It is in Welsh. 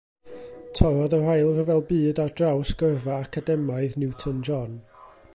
Torrodd yr Ail Ryfel Byd ar draws gyrfa academaidd Newton-John.